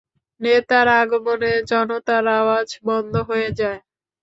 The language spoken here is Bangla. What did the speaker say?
নেতার আগমনে জনতার আওয়াজ বন্ধ হয়ে যায়।